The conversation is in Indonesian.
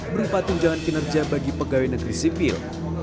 berupa tunjangan kinerja bagi pegawai negeri sipil